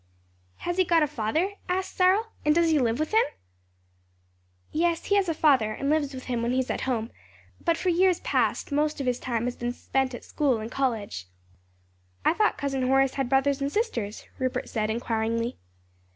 "Has he got a father?" asked Cyril, "and does he live with him?" "Yes; he has a father, and lives with him when he is at home; but for years past most of his time has been spent at school and college." "I thought Cousin Horace had brothers and sisters?" Rupert said, inquiringly.